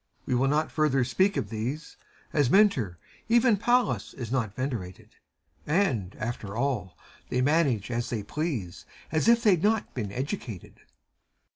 CHIRON. We will not further speak of these I As Mentor even Pallas is not venerated; And, after all, they manage as they please. As if they'd not been educated.